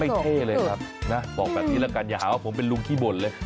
เท่เลยครับนะบอกแบบนี้ละกันอย่าหาว่าผมเป็นลุงขี้บ่นเลย